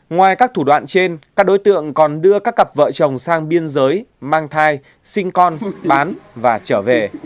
ngoài các thủ đoạn trên các đối tượng còn đưa các cặp vợ chồng sang biên giới mang thai sinh con bán và trở về